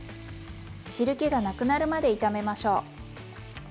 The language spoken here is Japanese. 汁けがなくなるまで炒めましょう。